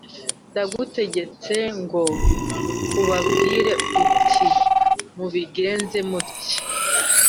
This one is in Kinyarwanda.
Ndagutegetse ngo ubabwire uti mubigenze mutya